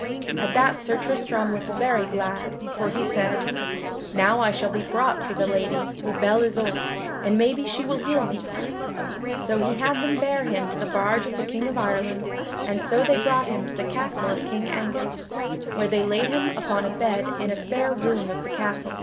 At that Sir Tristram was very glad, for he said: "Now I shall be brought to the Lady the Belle Isoult and maybe she will heal me." So he had them bare him to the barge of the King of Ireland, and so they brought him to the castle of King Angus, where they laid him upon a bed in a fair room of the castle.